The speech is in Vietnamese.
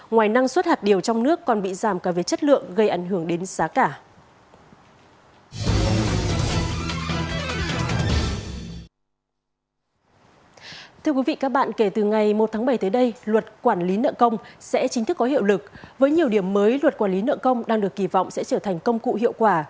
ngoài năng suất hạt điều trong nước còn bị giảm cả về chất lượng gây ảnh hưởng đến giá cả